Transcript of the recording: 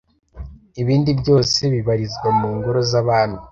ibindi byose bibarizwa mu ngoro z’abami?